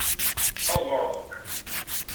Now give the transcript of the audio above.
Eɣr.